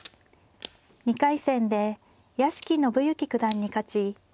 ２回戦で屋敷伸之九段に勝ち